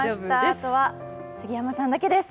あとは杉山さんだけです。